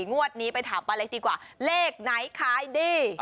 งวดนี้ไปถามป้าเล็กดีกว่าเลขไหนขายดี